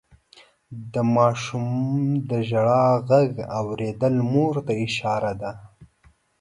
د ماشوم د ژړا غږ اورېدل مور ته اشاره ده.